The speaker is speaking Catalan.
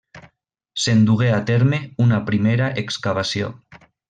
Se'n dugué a terme una primera excavació.